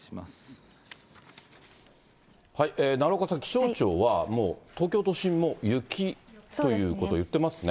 奈良岡さん、気象庁はもう東京都心も雪ということを言ってますね。